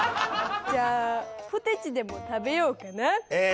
じゃあポテチでも食べようかな？